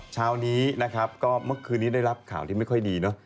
เช้านี้นะครับก็เมื่อคืนนี้ได้รับข่าวที่ไม่ค่อยดีเนอะ